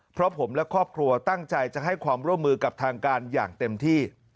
เพราะผมและครอบครัวตั้งใจจะให้ความร่วมมือกับทางการอย่างเต็มที่